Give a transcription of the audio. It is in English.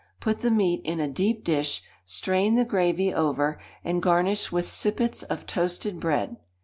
Put the meat in a deep dish, strain the gravy over, and garnish with sippets of toasted bread.